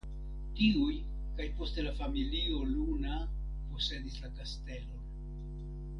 Tiuj kaj poste la familio Luna posedis la kastelon.